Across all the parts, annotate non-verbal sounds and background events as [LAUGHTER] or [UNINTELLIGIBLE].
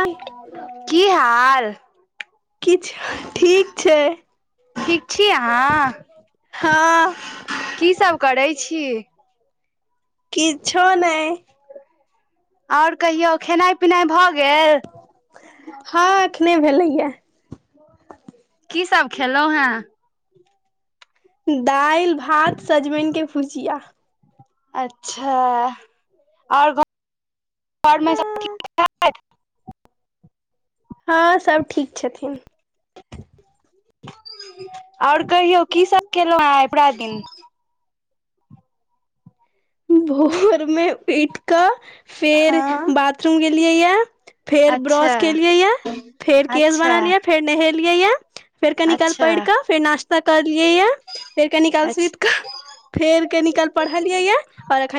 आ त किछु ठीक छै ठीक छी अहाँ हँ की सब करै छी किछु नहि और कहियौ खेनाइ पिनाइ भऽ गेल हँ एखने भेलैया की सब खेलौं हें दालि भात सजमनि के भुजिया अच्छा और घ र मे सब ठीक छै हँ सभ ठीक छथिन और कहियौ की सब केलहुँ हैं पुरा दिन भोर मे उठि कऽ फेर हँ बाथरूम गेलियै या फेर ब्रस अच्छा केलियै या फेर केश अच्छा बना लियै फेर नहेल लियै यै फेर कनि काल अच्छा पढ़ि कऽ फेर नास्ता कर लियै यऽ फेर कनी काल सुति अच्छा कऽ फेर कनी काल पढ़लियै यऽ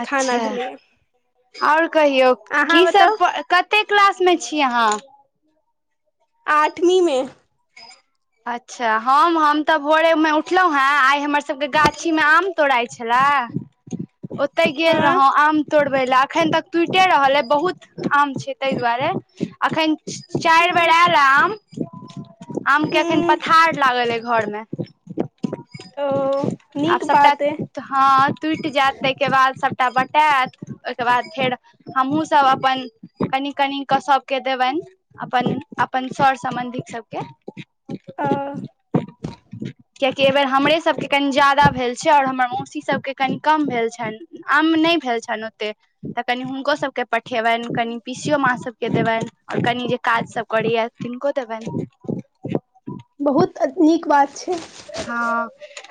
अच्छा और कहियौ अहाँ की बताउ सब प क कते क्लास मे छी अहाँ आठवीं मे अच्छा हम हम तऽ भोरे में उठलहुँ हें आइ हमर सबके गाछी मे आम तोड़ाइ छलै ओते गेल हँ रहौ आम तोड़बै लए अखन तक टूटिये रहल यै बहुत आम छै ताहि दुआरे अखन चारि बेर हूँ आयल या आम आम के अखन हूँ पथार लागल यै घरमे ओ आब नीक सबटा बात अइ हँ टुटि जायत ताहिके बाद सब टा बटायत ओहिके बाद फेर हमहुँ सब अपन कनि कनि कऽ सबके देबनि अपन अपन सर सम्बन्धी सबके औ कियाकि एहि बेेर हमरे सबके कनि ज्यादा भेल छै और हमर मौसी सबके कनि कम भेल छनि आम नहि नै भेल छनि ओतेक त कनि हुनको सबके पठेबनि कनि पीसीयो माँ सबके देबनि आ कनि जे काज सब करैया तिनको देबनि बहुत नीक बात छै हँ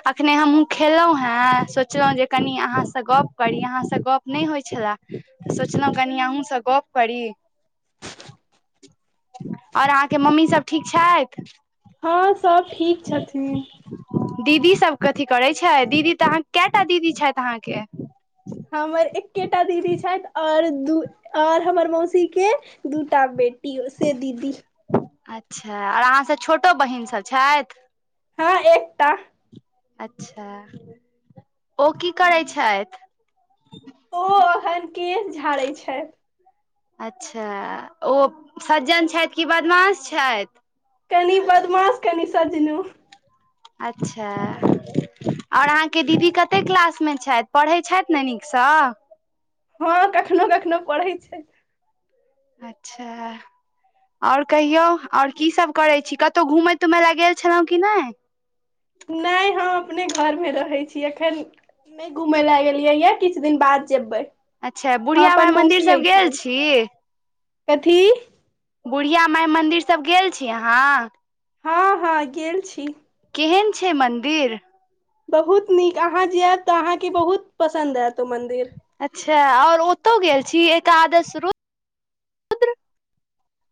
अखने हमहूँ खेलहुँ हे सोचलहुँ जे कनि अहाँसँ गप करी अहां अहाँसँ गप नहि होइ छलै सोचलहुँ कनी अहूँसँ गप करी और अहाँके मम्मी सब ठीक छथि हँ सब ठीक छथिन दीदी सब कथी करै छै त दीदी त अहा केटा दीदी छथि अहाँके हमर एकेटा दीदी छथि और द ओर हमर मौसी के दूटा बे बेटी ओे से दीदी अच्छा आओर अहाँ सभ छोटो बहिन सभ छथि हँ एकटा अच्छा ओ की करै छथि ओ एखन केश झाड़ैत छथि अच्छा ओ सज्जन छथि कि बदमाास छथि कनी बदमाश कनि सज्जनो अच्छा ओर अहाँके दीदी कते क्लास मे छथि पढ़ै छथि ने नीकसँ सह हँ कखनो कखनो पढ़ै छै अच्छा आओर कहियौ आओर कीसभ करै छी कतहु घूमय तूमय लए गेल छलहुँ कि नहि नहि हम अपने घरमे रहै छी एखन न घूमे ले एिये यै किछु दिन बाद जेबै अच्छा हम बुढ़िया माइ अपन मन्दिर मौसी सब गेल एहिठाम छी कथी बुढ़िया माइ मन्दिरसभ गेल छी अहाँ हँ हँ गेल छी केहन छै मन्दिर बहुत नीक अहाँ जायब तऽ अहाँके बहुत पसन्द आयत ओ मन्दिर अच्छा आओर ओतहु गेल छी एकादश रूप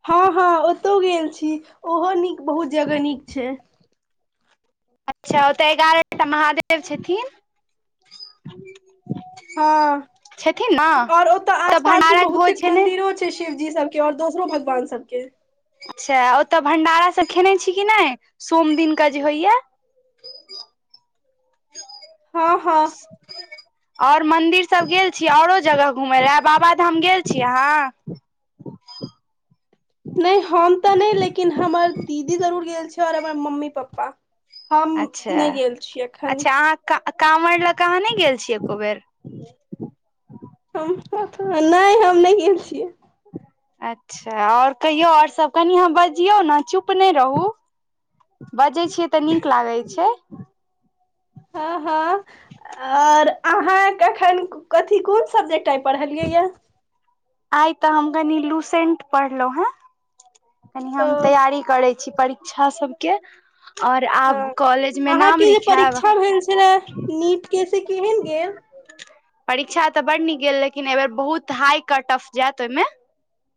हँ हँ ओतहु गेल छी ओहो नीक बहुत जगह नीक छै अच्छा ओतय एगारह टा महादेव छथिन हँ छथिन ने और ओतऽ आस पास भी भंडारक बहुते भोज भेलै मंन्दिरो छै शिवजी सबके ओर दोसरो भगवान सबके अच्छा ओतय भण्डारासँ खेने छी कि नहि सोम दिनके जे होइया [INAUDIBLE] हँ हँ [INAUDIBLE] ओर मंदिर सब गेल छीियै औरो जगह घुमय लए बाबाधाम गेल छीयै अहाँ आ नहि हम तऽ नहि लेकिन हमर दीदी जरूर गेल छैल आओर हमर मम्मी पप्पा हम नहि गेल छी एखन का आ काॅंवर लऽ कऽ अहाँ नहि गेल छीयै एको बेर नहि हम नहि गेल छियै अच्छा आओर कहियौ आओर सभ कनि अहाँ बजियौ ने चुप नहि रहू बजै छियै तऽ नीक लागै य छै हँ हँ आओर अहाँ कखन कथी कोन सब्जेक्ट आइ पढ़लियै यए आइ तऽ हम कनि लूसेंट पढ़लहुं हे कनि ओ हम तैयारी करैं छीपरीक्षा सबके और ह आब कॉलेज मे नाम अहाँके जे लिखायब परीक्षा भेल छै ने नीट के केहन गैल परीक्षा तऽ बड नीक गेल लेकिन एहि बेर बहुत हाई कट टफ जायत ओहिमे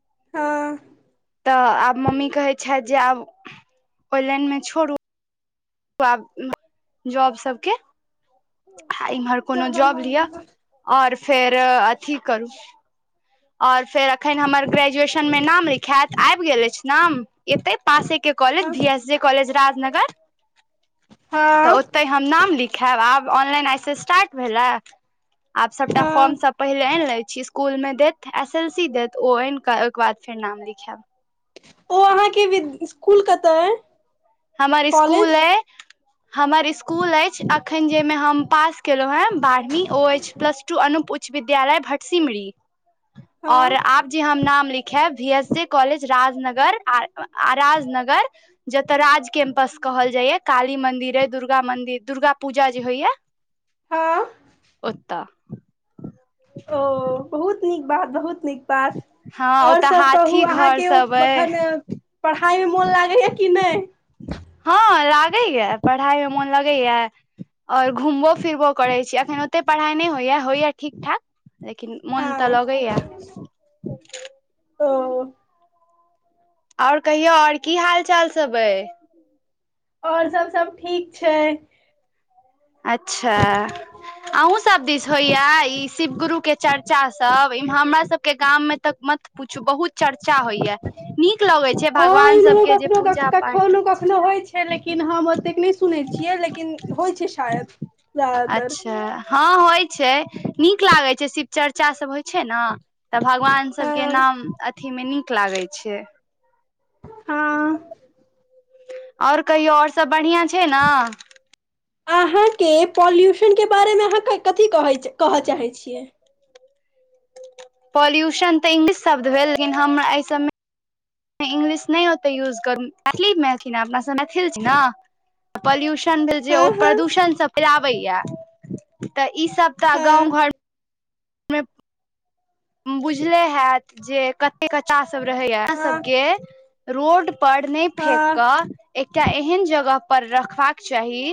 हँ तऽ आब मम्मी कहैत छथि जे आब ओहि लाइनमे छोड़ू ब जॉब सबके आ इम्हर कोनो जॉब लिअ आओर फेर अथी करू आओर फेर एखन हमर ग्रेजुएशन मे नाम लिखायत आबि गेल अछि नाम एतै पासे के कलेज हँ भी एस जी कलेज राजनगर तऽ हँ ओते हम नाम लिखायब आब ऑनलाइन आइस स्टार्ट भेलै आब सबटा हँ फॉर्म सब पहिले आनि ले छी स्कूल मे देत एस एल सी देत ओ आनि क ओकर बाद फेर नाम लिखाएब ओ अहाँके विद इसकुल कतऽ अइ हमर स्कूल कॉलेज अइ हमर स्कुल अइछि अखैन जहिमे हम पास केलहुँ हेँ बारहवीं ओ अछि प्लस टू अनुप उच्च विद्यालय भटसिमरी हँ आओर आप जे हम नाम लिखैब भी एस जे कॉलेज राजनगर आ राजनगर ज तऽ राज कैंपस कहल जाइया काली मंदिर ऐ दुर्गा मंदिर दुर्गा पूजा जे होइया हँ ओतऽ ओ बहुत नीक बात बहुत बात हँ और ओतऽ सब कहु हाथी अहां घर के सब अइ अखन पढ खाय मे मोन लागैए कि नहि हँ लागैया पढ़ाई मे मोन लगैया और घुमबो फिरबो करै छी अखन ओते पढ़ाइ नहि होइया होइया ठीक ठाक लेकिन मोन तऽ हँ लगैया ओ आओर कहियौ आओर की हाल चाल सब अइ आओर सब सब ठीक छै अच्छा अहूँ सब दिस होइया ई शिव गुरु के चर्चा सब इ हमरा सबके गाम मे तऽ म पूछू बहुत चर चा होइया नीक लगै छै हँ भगवान इम्हरो सबके जे कखनो पूजा पाठ ओते नै सुने छियै लेकिन होय छै शायद जादातर अच्छा हँ होइ छै नीक लागे छै शिव चर्चा सब होइ छै ने तऽ भगवान सब के हँ नाम अथी मे नीक क लागै छै हँ और कहियौ और सभ बढ़िआँ छै ने अहाँ के पॉल्यूशन के बारे मे अहाँ कथी कह कहय चाहै छियै पॉल्यूशन तऽ इंग्लिश शब्द भेल लेकिन हम एहि सभमे इंग्लिश नहि ओते यूज करू मैथिलीमे अथि अपना सब मैथिल छि ना पल्यू सन भेल जे हँ ओ हँ प्रदूषणसँ फैराबैया तऽ ईसभ तऽ गाँव हँ घरमे बुझले हैत जे कते क चास सब रहे या यह सब हँ के रोड पर नहि फेक हँ क ए क एहन जगह पर रखबाक चाही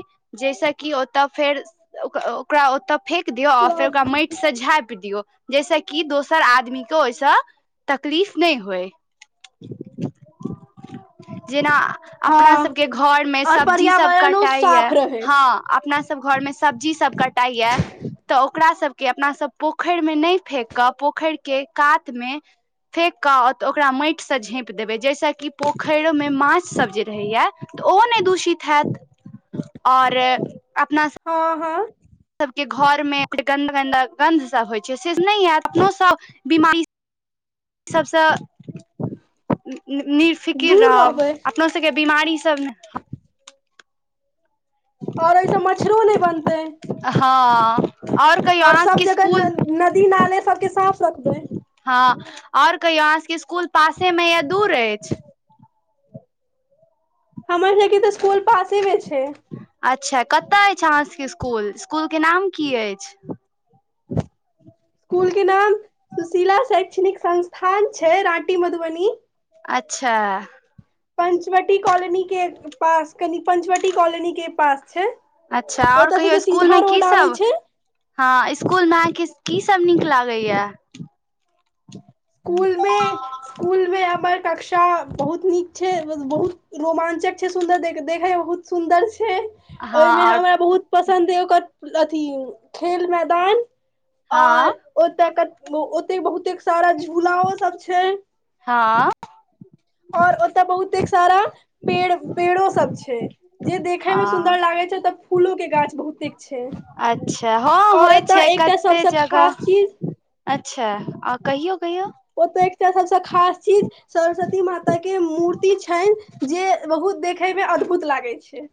जाहिस कि ओतऽ फेर ओकरा ओतऽ फेेक दियऔ आऔर फेर ओकरा माटि से झाँपि दियऔ जैस कि दोसर आदमी के ओहिस तकलीफ नहि होए जेना अपना हँ सबके घर मे और सब्जी सब पर्यावरणो साफ कटाइया रहै हँ अपना स सब घर में सब्जी सब कटाई या तऽ ओकरा सब के अपना सब पोखरि में नै फेेक कऽ पोखरि के कात मे फेेक कऽऽ ओकरा माटिसँ झेपि देबै जहिसँ कि पोखरिमे माछसभ जे रहैए त ओ नहि दूषित हेत आओर हँ हँ हम सभके घरमे गन्दगन्दा गन्धसभ होइ छै से नहि हएत अपनोसभ बिमारी सबसँ निर्फिकिर दूर रहब रहबै अपनो सबके बीमारी सब न और ओहिसँ मच्छरो नहि बनतै हँ और कहियो और सब अहाँसके जगह न स्कुल नदी नाले सबके साफ रखबै हँ और कहियौ अहाँ सबके इसकुल पासे मे या दूर अछि हमर सबके तऽ स्कुल पासेमे छै अच्छा कतय अछि अहाँ सभके स्कुल स्कुलके नाम की अछि स्कुल के नाम सुशीला शैक्षणिक संस्थान छै राँटी मधुबनी अच्छा पंचवटी कॉलोनी के पास कनि पंचवटी कॉलोनी के पास छै अच्छा और ओतय से कहियौ तऽ स्कुल सीधा मे की रोड आबै सब छै हँ स्कुल मे अहांके की सब नीक लागैया स्कूल मे स्कूल मे हमर कक्षा बहुत नीक छै मतलब बहुत रोमांचक छै सुन्दर देख देखे मे बहुत सुन्दर छै हँ ओहिमे और हमरा बहुत पसन्द अइ ओकर अथी खेल मैदान और हँ ओतक ओते बहुतेक सारा झूलाओ सब छै हँ और ओतय बहुतेक सारा पेड़ पेड़ो सब छै जे देखे में हँ सुन्दर लागे छै तऽ फूलो के गाछ बहुतेक छै अच्छा हँ और होइ छै ओतय एकटा कते सबसे खास जगह चीज अच्छा आ कहियौ कहियौ ओतऽ एकटा सबस खास चीज सरस्वती माता के मूर्ति छनि जे बहुत देखै मे अद्भुत लागै छै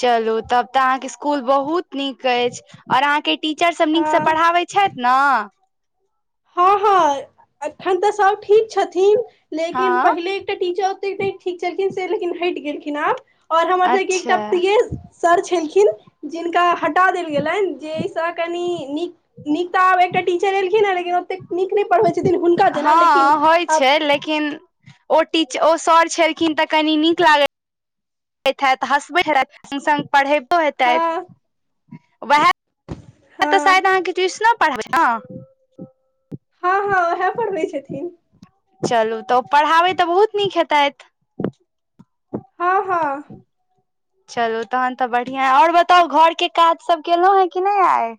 चलू तब तऽ अहाँके स्कुल बहुत नीक अछि और अहाँके टीचर सब नीकसँ हँ पढ़ाबै छथि न हँ हँ एखन तऽ सब ठीक छथिन लेकिन हँ पहिले एकटा टीचर नै ठीक छलखिन से लेकिन हटि गेलखिन आब और हमर सबके एकटा अच्छा प्रियेश सर छलखिन जिनका हटा देल गेलनि जैसँ कनि नीक नीक तऽ आब एकटा टीचर एलखिन लेकिन ओतेक नीक नै पढ़बै छथिन हुनका जेना हँ लेकिन होइ आब छै लेकिन ओ टीच ओ सर छलखिन तऽ कनी नीक लागै त हैत हसबैत हैत संग संग पढ़े तो हैतेत हँ वहै त हँ शायद अहांके ट्यूशनो पढ़ाबै छैथ न हँ हँ वहै पढ़बै छथिन चलू तऽ ओ पढ़ाबै तऽ बहुत नीक हेतैत हँ हँ चलू तहन तऽ बढ़िया यै और बताउ घरके काज सभ केलहुँ हैं कि नहि आइ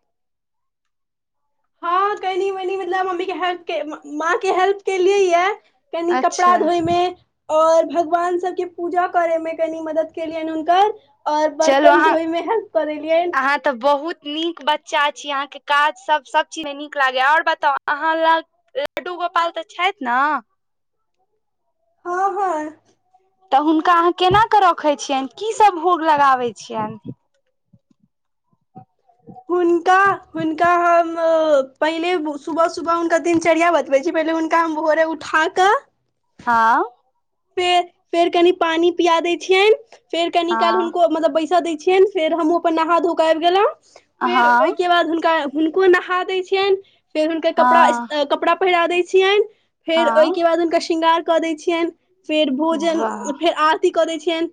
हँ कनी मनी मतलब मम्मी के हेल्प के माँ के हेल्प केलियै या कनि कपड़ा अच्छा धोयमे और भगवान सबके पूजा करेमे कनि मदद केलियनि हुनकर और चलू बर्तन अहाँ धोयमे हेल्प कऽ देलियैन अहाँ तऽ बहुत नीक बच्चा छी अहाँ के काज सब सब चीज मे नीक लागैया और बताउ अहाँ ल लड्डू गोपाल तऽ छथि न हँ हँ तऽ हुनका अहाँ केनाक रखै छियनि कीसभ भोग लगाबै छियनि हुनका हुनका हम पहिले सुबह सुबह हुनका दिनचर्या बतबै छी फेर हुनका हम भोरे उठा कऽ हँ फेर फेर कनि पानी पिया दै छियनि फेर कनि काल हँ हुनको मतलब बैस दै छियनि फेर हमहुं अपन नहा धो क आइब गेलहुं फेर हँ ओहिके नबाद हुनका हुनको नहा दै छियन फेर हुनकर कपड़ा हँ कपड़ा पहिरा दै छियन फेर हँ ओहिके बाद हुनका श्रृंगार क दै छियन फेर भोजन वाह फेर आरती क दै छियन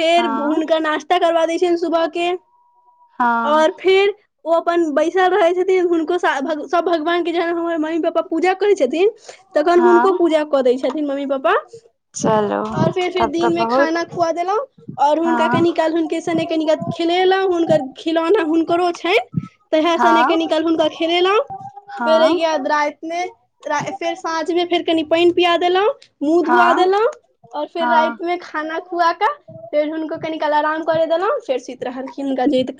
फेर हँ हुनका नास्ता करबा दै छियन सुबह के ओर हँ फेर ओ अपन बैसल रहै छथिन हुनको स-बभ सबभ भगवान के जेहन हमर मम्मी पापा पूजा करै छथिन तखन हुनको हँ पूजा क दै छथिन मम्मी पापा चलो और फेर फेर दिन में खाना खुआ देलहुं और हुनका हँ कनि काल हुनके सने कनी काल खेलेलहु हुनकर खिलौना हुनकरो छै तह स ने कनी हँ काल हुनका खेलेलो फेर हँ अहिये रातमे रा फेर साँझ मे फेर कनि पानि पिया देलहुँं मुँह धुआ हँ गेलो और फेर हँ राति मे खाना खुआ कऽ फेर हुनको कनीकाल आराम करे देलहुं फेर सुत रहलखिन गणित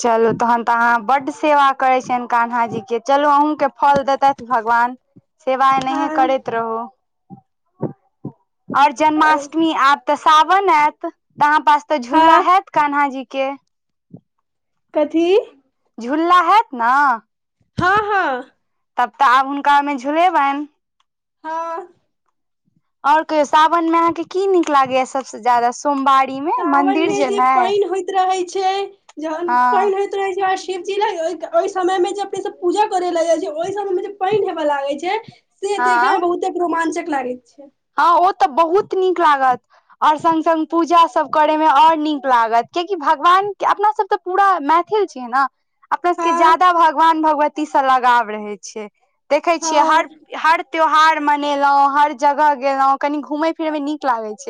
चलू तहन तऽ अहाँ बड सेवा करै छियन कान्हा जी के चलू अहूँके फल देतक भगवान सेवा अहनहि हँ करैत रहू आओर जन्माष्टमी आब तऽ साावन आयत अहाँ पास तऽ झूला हँ हायत कान्हा जी के कथी झूला हत ने हँ हँ तब तऽ आब हुनकामे झुलेबन हँ ओर कहियो सावन मे अहाँके की नीक लागैय सबसे ज्यादा सोमबारी मे मन्दिर जेनाइ ज [UNINTELLIGIBLE] हँ पानि होइत रहै छै शिव जिल [UNINTELLIGIBLE] ओहि समय मे जे अपने सब पूजा करे ले जा ओहि समय मे पानि हेवे लागे छै से देखे हँ में बहुते रोमां्चक लागैत छै हँ ओ तऽ बहुत नीक लागत और संग् सङ् पूजा सब करय मे ओर नीक लागत किया की भगवानके अपना सब तऽ पूरा मैथिल छियै ने अपना सबके हँ ज्यादा भगवान भगवती सब लगाव रहे छिय देखे छियै हँ हर हर त्यौहार मनेलो हर जगह गेलो कनी घूमे फिरे में नीक लागे छै